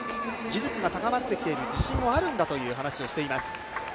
技術が高まってきている自信があるんだという話をしています。